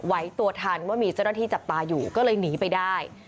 ไว้ตัวทันว่ามีเจ้าหน้าที่จับตาอยู่ก็เลยหนีไปได้